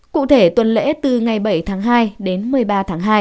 cụ thể tuần lễ từ ngày bảy tháng hai đến một mươi ba tháng hai